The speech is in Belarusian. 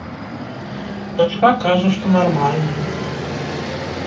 Дачка кажа, што нармальны.